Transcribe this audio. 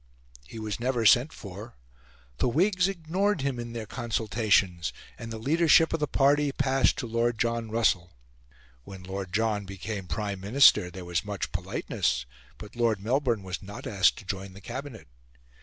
He was never sent for. The Whigs ignored him in their consultations, and the leadership of the party passed to Lord John Russell. When Lord John became Prime Minister, there was much politeness, but Lord Melbourne was not asked to join the Cabinet.